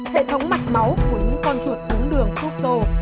hệ thống mạch máu của những con chuột uống đường fructose